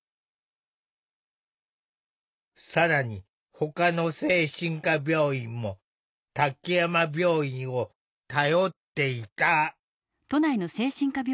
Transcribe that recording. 更にほかの精神科病院も滝山病院を頼っていた。